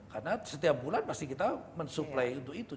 karena setiap bulan pasti kita mensupply untuk itu